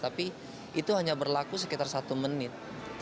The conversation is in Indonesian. tapi itu hanya berlaku sekitar satu menit